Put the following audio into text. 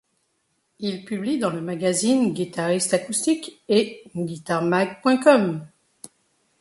Il publie dans le magazine Guitarisit acoustic et Guitaremag.com.